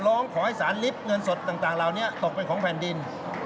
ร้องขอให้สารลิฟต์เงินสดต่างเหล่านี้ตกเป็นของแผ่นดิน